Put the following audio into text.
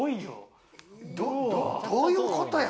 どういうことや？